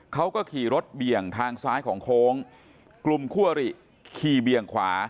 เขาก็ขี่รถเบี่ยงทางซ้ายของโค้งกลุ่มคั่วหรี่ขี่เบี่ยงขวา